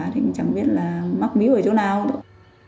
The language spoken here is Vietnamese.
thì chẳng biết là mắc mỹ ở chỗ nào đâu